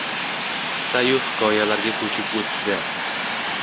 Qissayu hikoyalarga koʻchib o'tdi